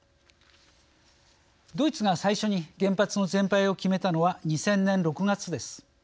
ドイツが最初に原発の全廃を決めたのは２０００年６月です。